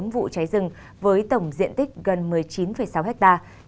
một mươi bốn vụ cháy rừng với tổng diện tích gần một mươi chín sáu hectare